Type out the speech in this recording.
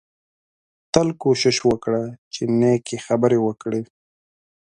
تل کوشش وکړه چې نېکې خبرې وکړې